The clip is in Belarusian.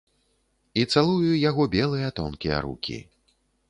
І цалую яго белыя тонкія рукі.